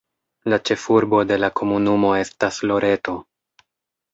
La ĉefurbo de la komunumo estas Loreto.